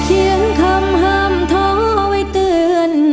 เขียนคำห้ามท้อไว้เตือน